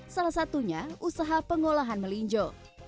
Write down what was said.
salah satunya usaha pengolahan melinjo